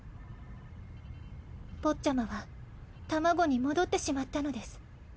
ポッチャマはタマゴに戻ってしまったのです。